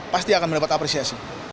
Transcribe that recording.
pasti akan mendapat apresiasi